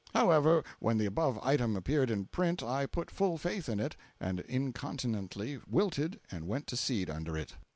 However, when the above item appeared in print I put full faith in it, and incontinently wilted and went to seed under it.